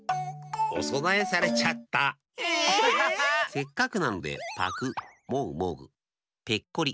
せっかくなのでぱくもぐもぐペッコリ